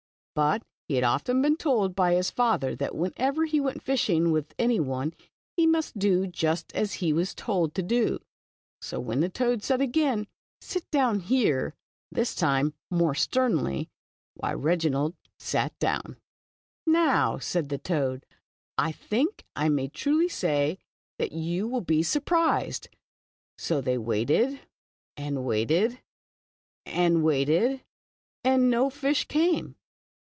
But he had often been told by his father that whenever he went fishing with any one, he must do just as he was told to do, so when the toad said again, "Sit down here," this time very sternly, why Reginald — sat down. tPfjXATD A^"^ ■nrE p:^ai>. fac x vu ;^6 The Toad. "Now." said the toad, "I think I may truly sayv that you will be surprised." So they waited and waited and waited and Avaited, and no fish came.